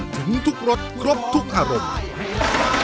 ถึงทุกรสครบทุกอารมณ์